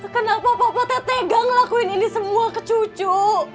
kenapa papa tak tegang ngelakuin ini semua ke cucu